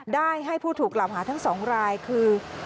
ได้ให้ผู้ถูกกล่าวหาทั้ง๒รายคือ